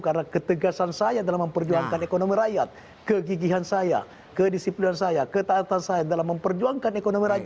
karena ketegasan saya dalam memperjuangkan ekonomi rakyat kegigihan saya kedisiplinan saya ketatan saya dalam memperjuangkan ekonomi rakyat